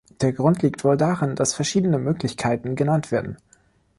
Der Grund liegt wohl darin, dass verschiedene Möglichkeiten genannt werden.